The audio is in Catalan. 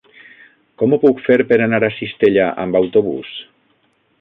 Com ho puc fer per anar a Cistella amb autobús?